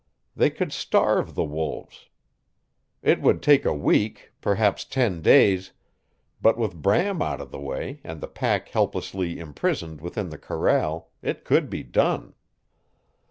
They could starve the wolves! It would take a week, perhaps ten days, but with Bram out of the way and the pack helplessly imprisoned within the corral it could be done.